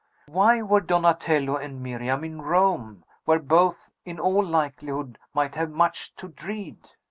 Why were Donatello and Miriam in Rome, where both, in all likelihood, might have much to dread?